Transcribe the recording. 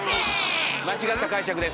間違った解釈です。